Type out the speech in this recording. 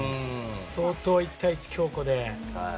相当、１対１では強固で。